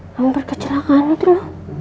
hampir kecelakaan gitu loh